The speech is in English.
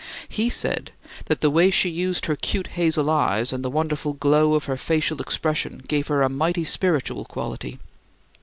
He said that "the way she used her cute hazel eyes and the wonderful glow of her facial expression gave her a mighty spiritual quality."